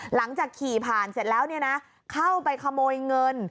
หลังจากขี่ผ่านเสร็จแล้วเข้าไปขโมยเงิน